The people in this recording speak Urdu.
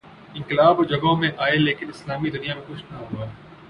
انقلاب اور جگہوں میں آئے لیکن اسلامی دنیا میں کچھ نہ ہوا۔